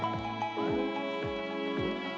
aisyah takuasa menahan air mokok